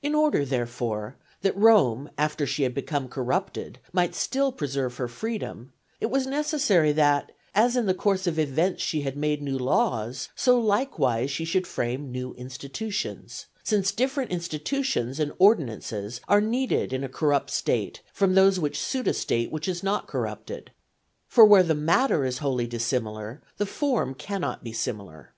In order, therefore, that Rome after she had become corrupted might still preserve her freedom, it was necessary that, as in the course of events she had made new laws, so likewise she should frame new institutions, since different institutions and ordinances are needed in a corrupt State from those which suit a State which is not corrupted; for where the matter is wholly dissimilar, the form cannot be similar.